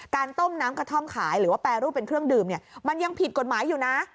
ต้มน้ำกระท่อมขายหรือว่าแปรรูปเป็นเครื่องดื่มเนี่ยมันยังผิดกฎหมายอยู่นะ